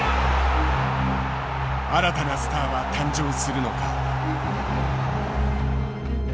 新たなスターは誕生するのか。